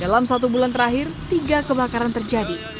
dalam satu bulan terakhir tiga kebakaran terjadi